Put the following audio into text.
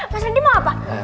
mas randy mau apa